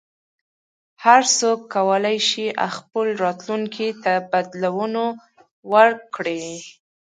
هر څوک کولای شي خپل راتلونکي ته بدلون ورکړي.